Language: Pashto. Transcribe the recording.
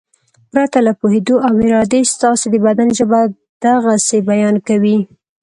پرته له پوهېدو او ارادې ستاسې د بدن ژبه د غسې بیان کوي.